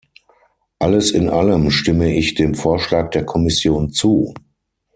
Alles in allem stimme ich dem Vorschlag der Kommission zu.